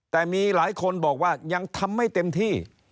แต่มีหลายคนบอกว่ายังทำไม่เต็มที่